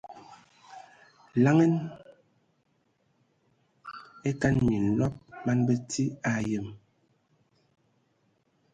Laŋa e kan minlɔb man bəti a yəm.